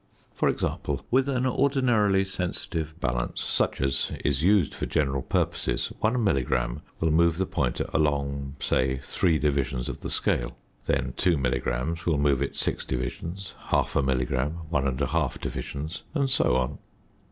For example, with an ordinarily sensitive balance, such as is used for general purposes, one milligram will move the pointer along, say, three divisions of the scale; then two milligrams will move it six divisions; half a milligram, one and a half divisions; and so on.